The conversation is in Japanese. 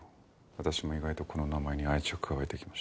私も意外とこの名前に愛着が湧いてきました。